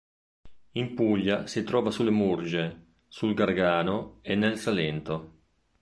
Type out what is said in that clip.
In Puglia si trova sulle Murge, sul Gargano e nel Salento.